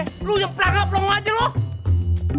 eh lu nyemplah gak pelong aja lu